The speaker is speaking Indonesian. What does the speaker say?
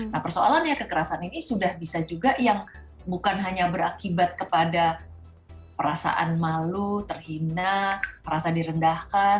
nah persoalannya kekerasan ini sudah bisa juga yang bukan hanya berakibat kepada perasaan malu terhina merasa direndahkan